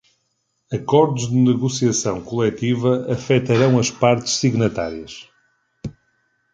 Acordos de negociação coletiva afetarão as partes signatárias.